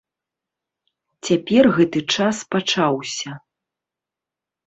Цяпер гэты час пачаўся.